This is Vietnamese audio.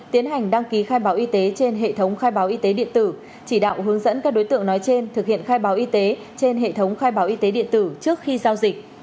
tiến hành đăng ký khai báo y tế trên hệ thống khai báo y tế điện tử chỉ đạo hướng dẫn các đối tượng nói trên thực hiện khai báo y tế trên hệ thống khai báo y tế điện tử trước khi giao dịch